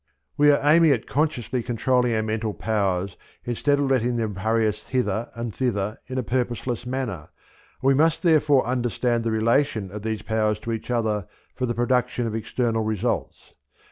We are aiming at consciously controlling our mental powers instead of letting them hurry us hither and thither in a purposeless manner, and we must therefore understand the relation of these powers to each other for the production of external results.